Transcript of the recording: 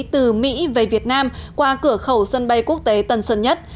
từ mỹ về việt nam qua cửa khẩu sân bay quốc tế tân sơn nhất